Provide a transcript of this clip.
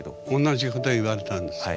同じこと言われたんですか？